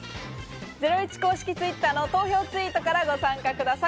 ゼロイチ公式Ｔｗｉｔｔｅｒの投票ツイートからご参加ください。